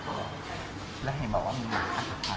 แล้วให้หมอว่ามีหมา